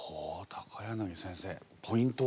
柳先生ポイントは？